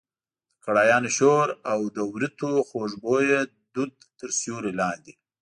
د کړایانو شور او د وریتو خوږ بویه دود تر سیوري لاندې.